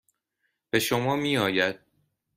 به شما میآید.